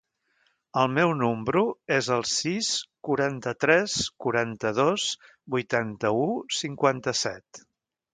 El meu número es el sis, quaranta-tres, quaranta-dos, vuitanta-u, cinquanta-set.